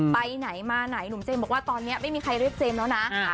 ไปไหนมาไหนหนุ่มเจมส์บอกว่าตอนนี้ไม่มีใครเรียกเจมส์แล้วนะ